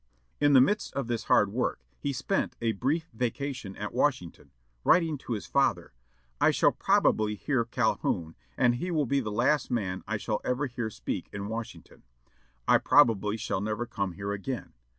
In the midst of this hard work he spent a brief vacation at Washington, writing to his father, "I shall probably hear Calhoun, and he will be the last man I shall ever hear speak in Washington. I probably shall never come here again.